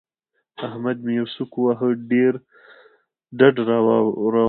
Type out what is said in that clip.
احمد مې يوه سوک وواهه؛ ډډ را واړاوو.